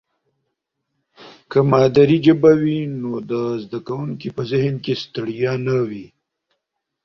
که مادي ژبه وي نو د زده کوونکي په ذهن کې ستړیا نه وي.